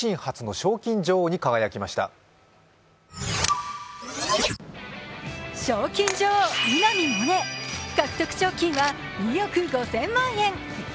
賞金女王、稲見萌寧、獲得賞金は２億５０００万円。